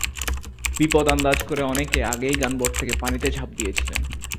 বিপদ আন্দাজ করে অনেকে আগেই গানবোট থেকে পানিতে ঝাঁপ দিয়েছিলেন।